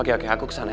oke oke aku kesana ya